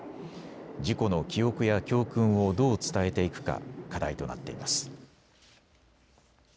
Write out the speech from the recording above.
事故の記憶や教訓をどう伝えていくか課題となっています。